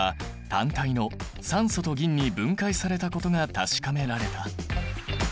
単体の酸素と銀に分解されことが確かめられた。